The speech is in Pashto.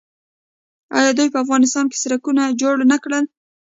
آیا دوی په افغانستان کې سړکونه جوړ نه کړل؟